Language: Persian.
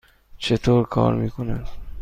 چطور کار می کند؟